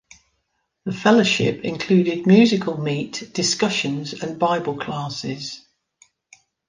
The fellowship included Musical Meet, Discussions and Bible Classes.